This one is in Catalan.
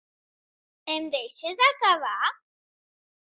Em deixes acabar?